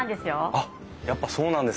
あっやっぱそうなんですね。